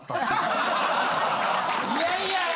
いやいや。